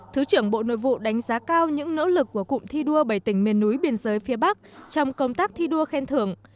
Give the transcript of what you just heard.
thứ trưởng bộ nội vụ đánh giá cao những nỗ lực của cụm thi đua bảy tỉnh miền núi biên giới phía bắc trong công tác thi đua khen thưởng